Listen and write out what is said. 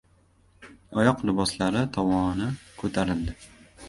Oyoq liboslari tovoni ko‘tarildi.